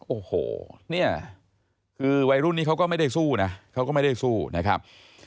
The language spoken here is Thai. โอ้โหเนี่ยคือวัยรุ่นนี้เขาก็ไม่ได้สู้นะเขาก็ไม่ได้สู้นะครับ